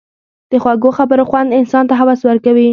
د خوږو خبرو خوند انسان ته هوس ورکوي.